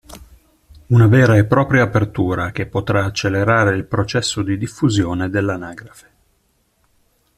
Una vera e propria apertura, che potrà accelerare il processo di diffusione dell'anagrafe.